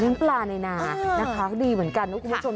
เลี้ยงปลาในนานะคะดีเหมือนกันทุกคน